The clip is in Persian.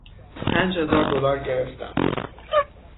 پنج هزار دلار گرفتم.